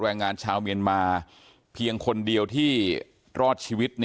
แรงงานชาวเมียนมาเพียงคนเดียวที่รอดชีวิต